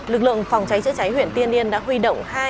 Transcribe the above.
lực lượng phòng cháy chữa cháy huyện tiên yên đã huy động